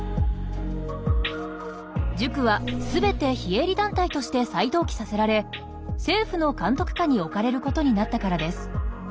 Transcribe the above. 塾はすべて非営利団体として再登記させられ政府の監督下に置かれることになったからです。